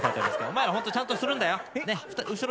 お前らちゃんとするんだよ。